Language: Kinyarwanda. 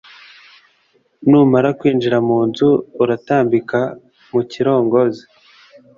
numara kwinjira mu nzu uratambika mu kirongozi